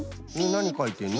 なにかいてんの？